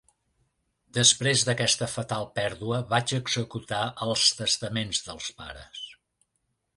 Després d’aquesta fatal pèrdua, vaig executar els testaments dels pares.